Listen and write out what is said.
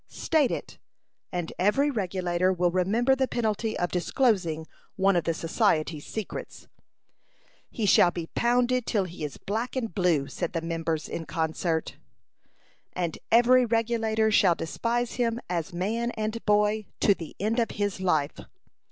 "State it; and every Regulator will remember the penalty of disclosing one of the society's secrets." "He shall be pounded till he is black and blue," said the members, in concert. "And every Regulator shall despise him as man and boy, to the end of his life."